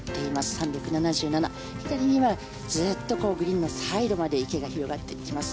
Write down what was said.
３７７左にはずっとグリーンのサイドまで池が広がっていきます。